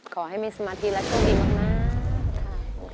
ขอให้มีสมาธิและโชคดีมากขอให้สำเร็จค่ะ